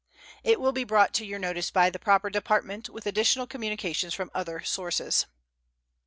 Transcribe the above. It will be brought to your notice by the proper Department, with additional communications from other sources.